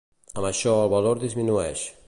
Amb això el valor disminueix.